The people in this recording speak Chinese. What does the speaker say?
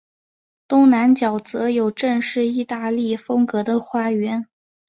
东南角则有正式意大利风格的花园。